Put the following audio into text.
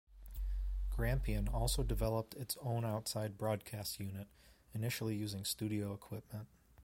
Grampian also developed its own outside broadcast unit, initially using studio equipment.